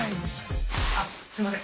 あっすいません。